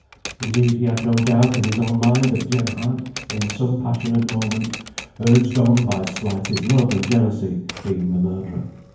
Indeed, he had no doubt in his own mind that Jem had, in some passionate moment, urged on by slighted love and jealousy, been the murderer.